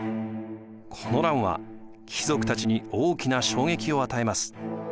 この乱は貴族たちに大きな衝撃を与えます。